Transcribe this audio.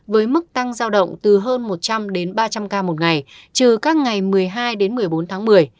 với mức tăng giao động từ hơn một trăm linh đến ba trăm linh ca một ngày trừ các ngày một mươi hai đến một mươi bốn tháng một mươi